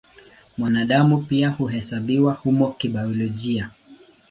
Mwanadamu pia huhesabiwa humo kibiolojia.